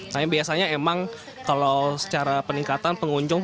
karena biasanya emang kalau secara peningkatan pengunjung